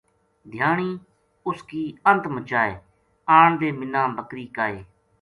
دھیانی اس کی انت مچائے آن دے منا بکر ی کائے